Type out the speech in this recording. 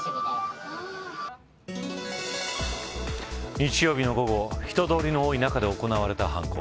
日曜日の午後人通りの多い中で行われた犯行。